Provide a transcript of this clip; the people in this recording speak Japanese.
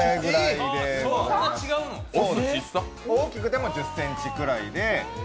大きくても１０ｃｍくらいで。